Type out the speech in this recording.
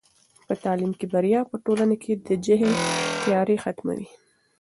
په تعلیم کې بریا په ټولنه کې د جهل تیارې ختموي.